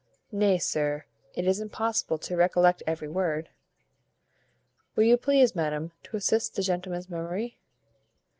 "Nay, sir, it is impossible to recollect every word." "Will you please, madam, to assist the gentleman's memory?"